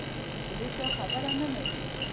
د هېچا خبره نه مني